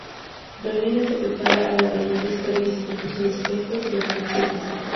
Dolina interpretaba al Narrador de Historias y compuso los textos y las canciones.